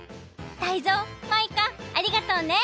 タイゾウマイカありがとうね！